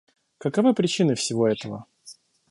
Каковы причины всего этого?